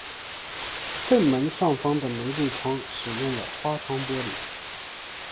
正门上方的玫瑰窗使用了花窗玻璃。